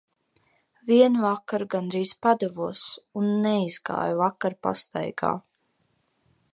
Vienu vakaru gandrīz padevos un neizgāju vakara pastaigā.